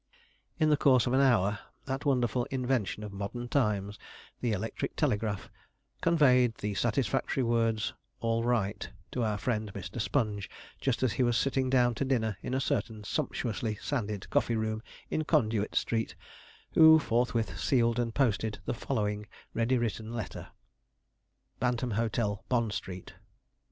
In the course of an hour, that wonderful invention of modern times, the Electric Telegraph conveyed the satisfactory words 'All right' to our friend Mr. Sponge, just as he was sitting down to dinner in a certain sumptuously sanded coffee room in Conduit Street, who forthwith sealed and posted the following ready written letter: 'BANTAM HOTEL, BOND STREET.